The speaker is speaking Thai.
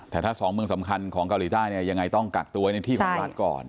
แต่ถ้าสองเมืองสำคัญของเกาหลีใต้เนี่ยยังไงต้องกักตัวไว้ในที่ของรัฐก่อน